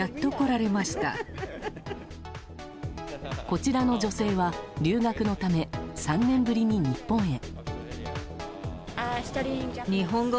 こちらの女性は留学のため３年ぶりに日本へ。